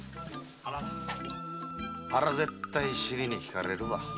ありゃ絶対尻に敷かれるわ。